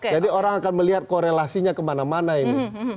jadi orang akan melihat korelasinya kemana mana ini